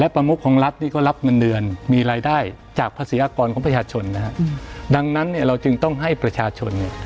ประงบของรัฐนี่ก็รับเงินเดือนมีรายได้จากภาษีอากรของประชาชนนะฮะดังนั้นเนี่ยเราจึงต้องให้ประชาชนเนี่ย